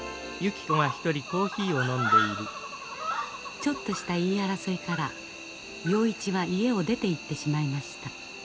ちょっとした言い争いから洋一は家を出ていってしまいました。